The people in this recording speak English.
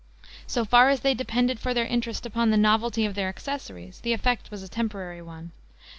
So far as they depended for this interest upon the novelty of their accessories, the effect was a temporary one.